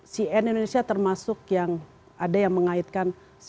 cnn indonesia termasuk yang ada yang mengaitkan